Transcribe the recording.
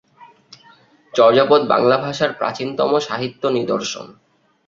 চর্যাপদ বাংলা ভাষার প্রাচীনতম সাহিত্য নিদর্শন।